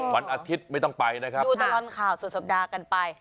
วันอาทิตย์ไม่ต้องไปนะครับดูตลอดข่าวสุดสัปดาห์กันไป